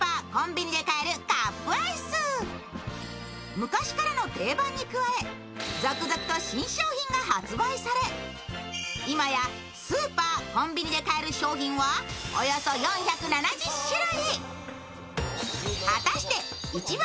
昔からの定番に加え、続々と新商品が発売され、今や、スーパーコンビニで買える商品は、およそ４７０種類。